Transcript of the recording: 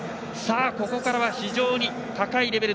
ここからは非常に高いレベル。